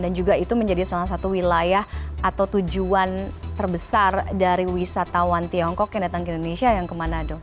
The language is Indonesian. dan juga itu menjadi salah satu wilayah atau tujuan terbesar dari wisatawan tiongkok yang datang ke indonesia yang ke manado